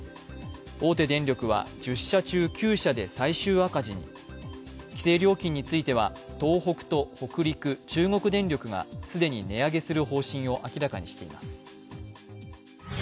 大手電力は１０社中９社で最終赤字に規制料金については東北と北陸、中国電力が既に値上げする方針を明らかにしています。